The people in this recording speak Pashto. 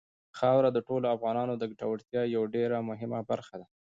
خاوره د ټولو افغانانو د ګټورتیا یوه ډېره مهمه برخه ده.